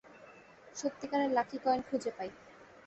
সত্যিকারের lucky coin খুঁজে পাই।